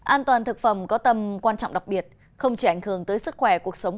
an toàn thực phẩm có tầm quan trọng đặc biệt không chỉ ảnh hưởng tới sức khỏe cuộc sống